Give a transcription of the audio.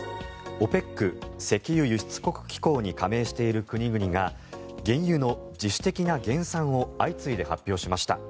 ＯＰＥＣ・石油輸出国機構に加盟している国々が原油の自主的な減産を相次いで発表しました。